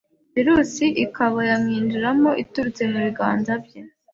virusi ikaba yamwinjiramo iturutse mu biganza bye.